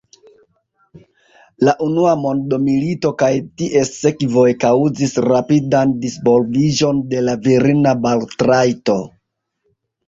La unua mondmilito kaj ties sekvoj kaŭzis rapidan disvolviĝon de la virina balotrajto.